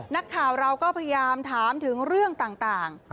นักข่าวเราก็พยายามถามถึงเรื่องต่าง